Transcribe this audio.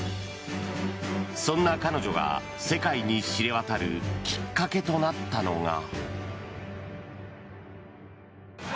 そんな彼女が世界に知れ渡るきっかけとなったのが。